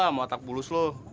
sama otak bulus lu